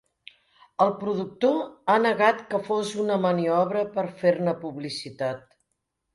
El productor ha negat que fos una maniobra per fer-ne publicitat.